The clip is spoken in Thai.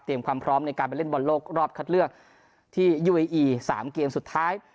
ความพร้อมในการไปเล่นบอลโลกรอบคัดเลือกที่ยูเออี๓เกมสุดท้าย